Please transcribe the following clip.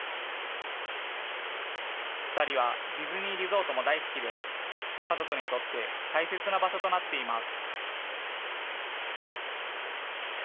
２人はディズニーリゾートも大好きで家族にとって大切な場所となっています。